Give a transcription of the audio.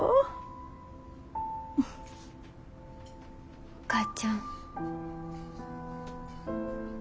お母ちゃん。